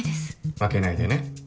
負けないでね